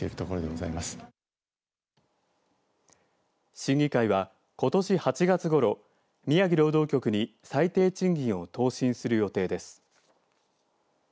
審議会は、ことし８月ごろ宮城労働局に最低賃金を答申する予定です。